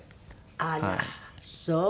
あらそう！